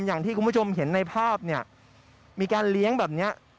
อย่างที่คุณผู้ชมเห็นในภาพเนี่ยมีการเลี้ยงแบบนี้